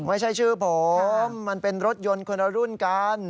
ไม่ใช่ชื่อผมมันเป็นรถยนต์คนละรุ่นกัน